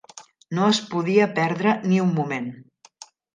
No es podia perdre ni un moment.